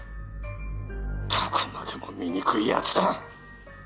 どこまでも醜いヤツだ！